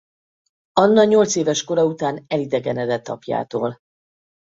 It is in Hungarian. Anna nyolcéves kora után elidegenedett apjától.